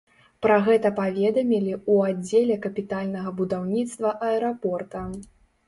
Пра гэта паведамілі ў аддзеле капітальнага будаўніцтва аэрапорта.